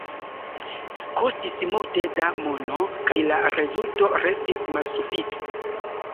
Kostis multe da mono, kaj la rezulto restis malsufiĉa.